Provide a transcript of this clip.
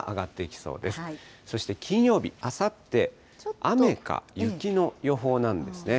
そして金曜日、あさって、雨か雪の予報なんですね。